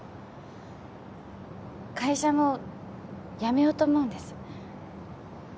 会社も辞めようと思うんです。